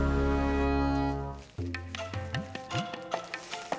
bukan dia mau ngajak kita kerja lagi